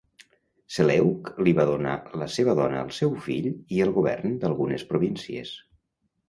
Seleuc li va donar la seva dona al seu fill i el govern d'algunes províncies.